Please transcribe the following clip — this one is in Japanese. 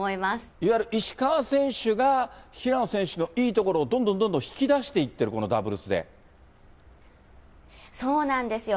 いわゆる石川選手が、平野選手のいいところをどんどんどんどん引き出していってる、こそうなんですよ。